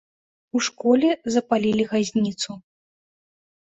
У школе запалілі газніцу.